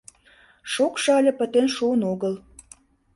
Шокшо але пытен шуын огыл.